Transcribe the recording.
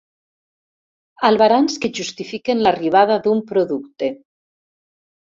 Albarans que justifiquen l'arribada d'un producte.